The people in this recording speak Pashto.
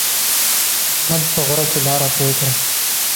احمد په غره کې لاره پرې کړه.